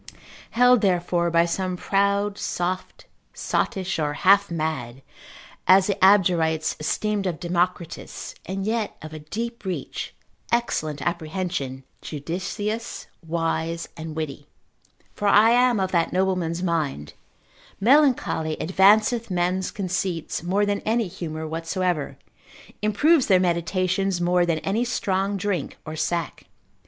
held therefore by some proud, soft, sottish, or half mad, as the Abderites esteemed of Democritus: and yet of a deep reach, excellent apprehension, judicious, wise, and witty: for I am of that nobleman's mind, Melancholy advanceth men's conceits, more than any humour whatsoever, improves their meditations more than any strong drink or sack.